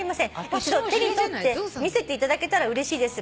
「一度手に取って見せていただけたらうれしいです。